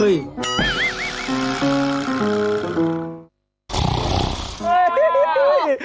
เฮ่ย